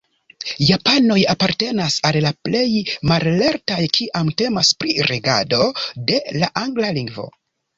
Japanoj apartenas al la plej mallertaj, kiam temas pri regado de la angla lingvo.